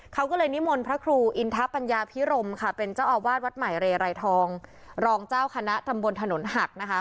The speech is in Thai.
เขาก็เลยนิมนต์พระครูอินทะปัญญาพิรมค่ะเป็นเจ้าอาวาสวัดใหม่เรไรทองรองเจ้าคณะตำบลถนนหักนะคะ